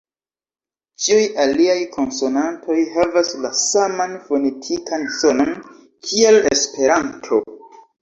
Ĉiuj aliaj konsonantoj havas la saman fonetikan sonon kiel Esperanto